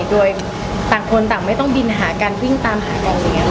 โดยต่างคนต่างไม่ต้องบินหากันแต่ว่าตามหาหมด